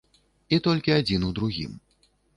І толькі адзін у другім.